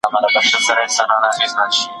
ملکيت بايد د فلاح سبب وي.